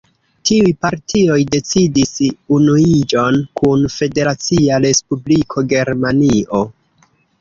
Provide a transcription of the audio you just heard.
Tiuj partioj decidis unuiĝon kun Federacia Respubliko Germanio.